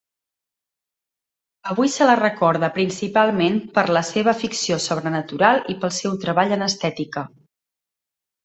Avui se la recorda principalment per la seva ficció sobrenatural i pel seu treball en estètica.